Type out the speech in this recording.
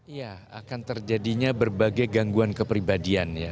iya akan terjadinya berbagai gangguan kepribadian ya